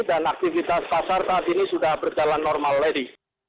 dan aktivitas pasar saat ini sudah berjalan normal lagi